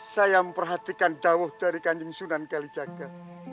saya memperhatikan dawah dari ganjeng sunan kalijaga